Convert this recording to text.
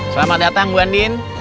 selamat datang bu andien